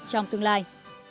trong tương lai